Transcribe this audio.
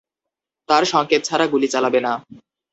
তার সংকেত ছাড়া গুলি চালাবে না।